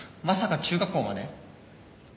まさか中学校まで？